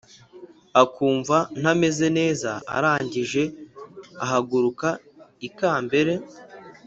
akumva ntameze neza arangije ahaguruka ikambere